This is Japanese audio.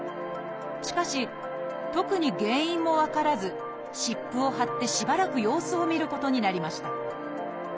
しかし特に原因も分からず湿布を貼ってしばらく様子を見ることになりました。